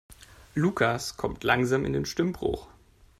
Lukas kommt langsam in den Stimmbruch.